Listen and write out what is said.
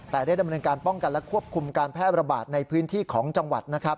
แต่ได้ดำเนินการป้องกันและควบคุมการแพร่ระบาดในพื้นที่ของจังหวัดนะครับ